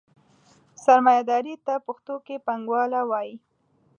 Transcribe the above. سرمایهداري ته پښتو کې پانګواله وایي.